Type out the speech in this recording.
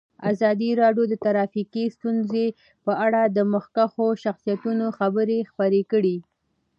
ازادي راډیو د ټرافیکي ستونزې په اړه د مخکښو شخصیتونو خبرې خپرې کړي.